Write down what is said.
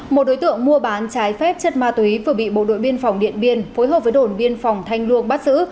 một đối tượng mua bán trái phép chất ma túy vừa bị bộ đội biên phòng điện biên phối hợp với đồn biên phòng thanh luông bắt giữ